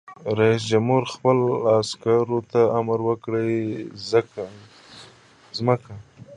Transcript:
رئیس جمهور خپلو عسکرو ته امر وکړ؛ ځمکه!